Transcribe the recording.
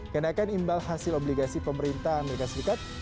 kenaikan imbal hasil obligasi pemerintah amerika serikat